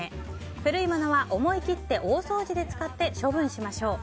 古いものは思い切って大掃除で使って処分しましょう。